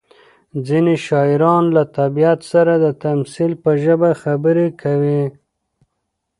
ځینې شاعران له طبیعت سره د تمثیل په ژبه خبرې کوي.